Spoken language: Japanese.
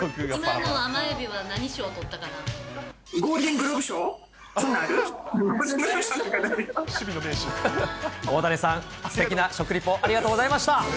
そん大谷さん、すてきな食リポありがとうございました。